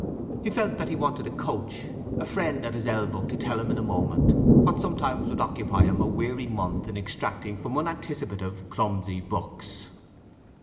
He felt that he wanted a coach—a friend at his elbow to tell him in a moment what sometimes would occupy him a weary month in extracting from unanticipative, clumsy books.